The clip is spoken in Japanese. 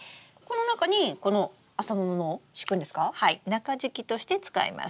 中敷きとして使います。